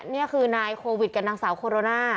นี่คือนายโควิดกับนางสาวโคโรนา